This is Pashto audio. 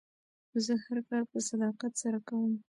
زه هر کار په صداقت سره کوم.